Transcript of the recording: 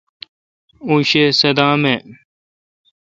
اوں شہ صدام اؘ ۔